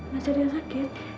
masih ada yang sakit